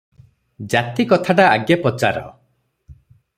ଜାତି କଥାଟା ଆଗେ ପଚାର ।